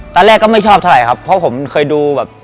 ตอนแรกก็ไม่ชอบเท่าไหร่ครับเพราะผมเคยดูแบบ